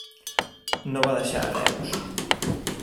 No va deixar hereus.